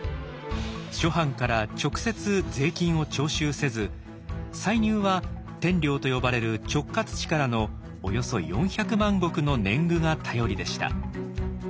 諸藩から直接税金を徴収せず歳入は天領と呼ばれる直轄地からのおよそ４百万石の年貢が頼りでした。